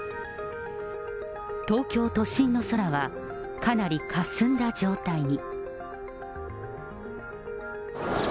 東京都心の空は、かなりかすんだ状態に。